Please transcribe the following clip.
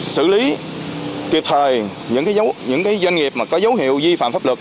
xử lý kịp thời những doanh nghiệp có dấu hiệu vi phạm pháp luật